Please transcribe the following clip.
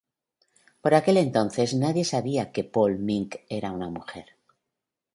Por entonces nadie sabía que Paule Mink era una mujer.